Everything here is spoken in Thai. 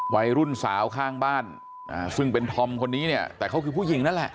วัยรุ่นสาวข้างบ้านซึ่งเป็นธอมคนนี้เนี่ยแต่เขาคือผู้หญิงนั่นแหละ